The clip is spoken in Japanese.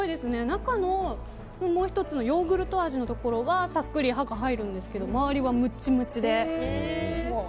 中のもう１つのヨーグルト味はさっくり歯が入るんですけど周りはムチムチで。